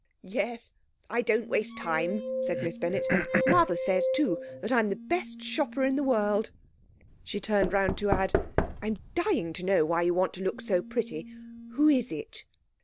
'Yes, I don't waste time,' said Miss Bennett. 'Mother says, too, that I'm the best shopper in the world.' She turned round to add, 'I'm dying to know why you want to look so pretty. Who is it?'